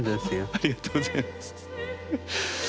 ありがとうございます。